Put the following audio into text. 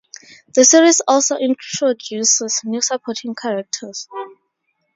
The series also introduces new supporting characters.